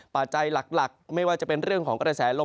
ปัจจัยหลักไม่ว่าจะเป็นเรื่องของกระแสลม